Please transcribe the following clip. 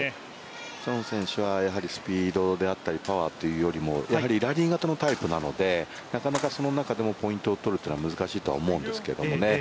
チョン選手はやはりスピードであったりパワーというよりもやはりラリー型のタイプなのでなかなかその中でもポイントをとるっていうのは難しいとは思うんですけどね。